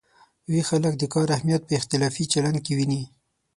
ویښ خلک د کار اهمیت په اختلافي چلن کې ویني.